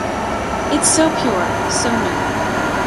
It's so pure, so new.